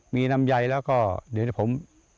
มีน้ำย้ายแล้วก็เดี๋ยวผม